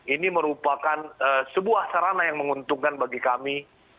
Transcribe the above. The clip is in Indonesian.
ini merupakan sebuah sarana yang menguntungkan bagi kami